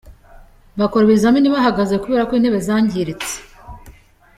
Bakora ibizamini bahagaze kubera ko intebe zangiritse.